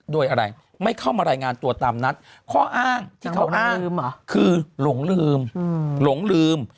โดยอะไรไม่เข้ามารายงานตัวตามนัดข้ออ้างก็คือหลวงลืม